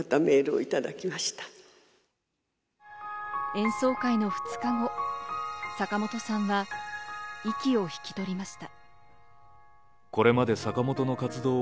演奏会の２日後、坂本さんは息を引き取りました。